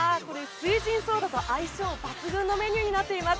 翠ジンソーダと相性抜群のメニューになっています。